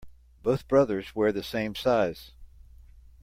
Both brothers wear the same size.